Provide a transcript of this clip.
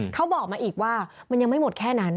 เขาบอกมาอีกว่ามันยังไม่หมดแค่นั้น